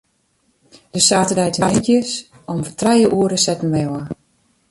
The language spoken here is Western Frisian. De saterdeitemiddeis om trije oere setten wy ôf.